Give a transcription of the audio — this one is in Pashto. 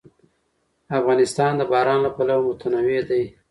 افغانستان د باران له پلوه متنوع دی.